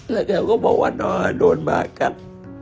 แล้วแก้วก็บอกว่านอนโดนมากครับ